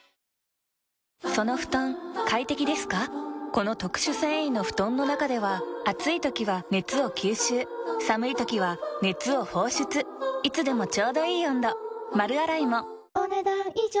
この特殊繊維の布団の中では暑い時は熱を吸収寒い時は熱を放出いつでもちょうどいい温度丸洗いもお、ねだん以上。